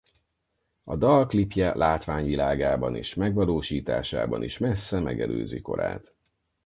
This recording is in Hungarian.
A dal klipje látványvilágában és megvalósításában is messze megelőzi korát.